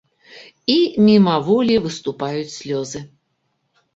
І мімаволі выступаюць слёзы.